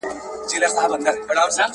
نورې دروازې به پخپله خلاصې سي.